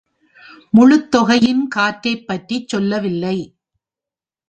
முழுத்தொகையின் காற்றைப் பற்றிச் சொல்லவில்லை.